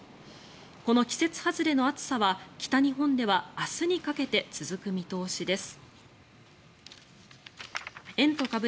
この季節外れの暑さは北日本では明日にかけて続く見通しです。